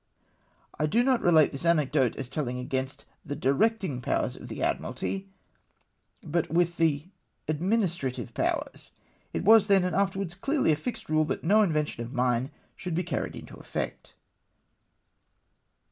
I do not relate this anecdote as telling against the directing powers of the Admiralty, but with the ad ministrative powers, it was then and afterwards clearly a fixed rule that no invention of mine should be carried into effect.